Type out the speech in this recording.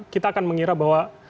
kita akan mengira bahwa